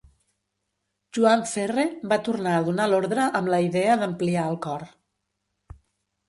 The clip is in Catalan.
Joan Ferre va tornar a donar l'ordre amb la idea d'ampliar el cor.